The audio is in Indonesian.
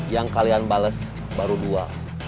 yang kalian bales baru dua